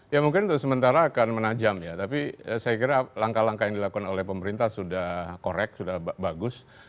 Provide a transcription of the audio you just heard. ya mungkin untuk sementara akan menajam ya tapi saya kira langkah langkah yang dilakukan oleh pemerintah sudah corect sudah bagus